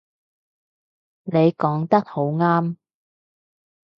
你講得好啱